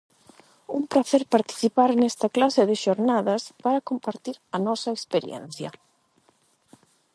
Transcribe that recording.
Un pracer participar nesta clase de xornadas para compartir a nosa experiencia.